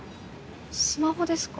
スマホですか？